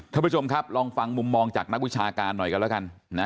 ท่านผู้ชมครับลองฟังมุมมองจากนักวิชาการหน่อยกันแล้วกันนะ